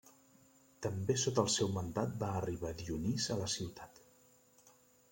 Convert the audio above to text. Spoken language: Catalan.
També sota el seu mandat va arribar Dionís a la ciutat.